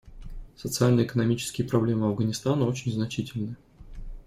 Социально-экономические проблемы Афганистана очень значительны.